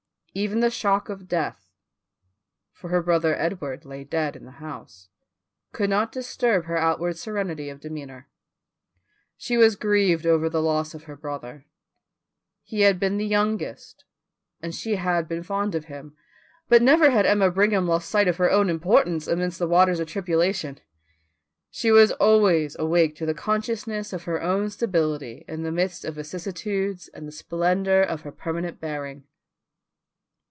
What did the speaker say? Even the shock of death (for her brother Edward lay dead in the house,) could not disturb her outward serenity of demeanour. She was grieved over the loss of her brother: he had been the youngest, and she had been fond of him, but never had Emma Brigham lost sight of her own importance amidst the waters of tribulation. She was always awake to the consciousness of her own stability in the midst of vicissitudes and the splendour of her permanent bearing.